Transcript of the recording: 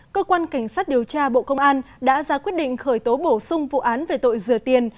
cơ quan cảnh sát điều tra bộ công an đã ra quyết định khởi tố bổ sung vụ án về tội rửa tiền